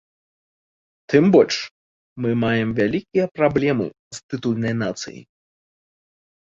Тым больш, мы маем вялікія праблема з тытульнай нацыяй.